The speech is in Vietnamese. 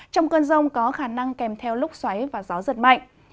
trong cơn rông có khả năng kèm theo lúc xoáy và gió giật mạnh